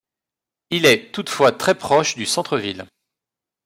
Il est, toutefois, très proche du centre-ville.